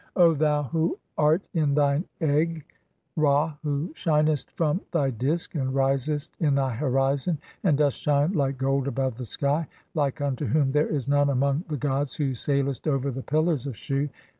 "O thou who art in thine egg (23) (7. e., Ra), who shinest "from thy Disk and risest in thy horizon, and dost shine like "gold above the sky, like unto whom there is none among the "gods, who sailest over the pillars (24) of Shu